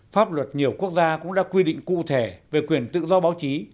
pháp luật nhiều quốc gia cũng đã quy định cụ thể về quyền tự do báo chí